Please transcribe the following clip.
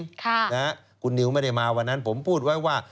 ค่ะนะฮะคุณนิวไม่ได้มาวันนั้นผมพูดไว้ว่า